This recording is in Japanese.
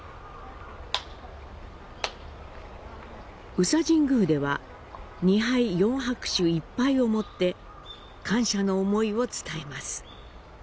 宇佐神宮では「二拝・四拍手・一拝」をもって感謝の思いを伝えます。